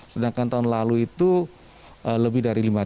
sedangkan tahun lalu itu lebih dari lima ratus